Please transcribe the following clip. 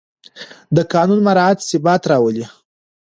د قانون مراعت ثبات راولي